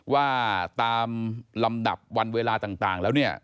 ว่าตามลำดับวันเวลาต่างแล้วเนี่ย